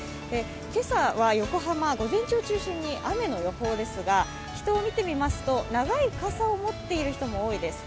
今朝は横浜、午前中を中心に雨の予報ですが人を見てみますと長い傘を持っている人も多いです。